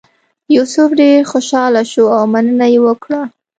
یوسف ډېر خوشاله شو او مننه یې وکړه.